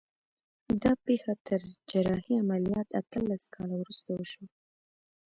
دا پېښه تر جراحي عملیات اتلس کاله وروسته وشوه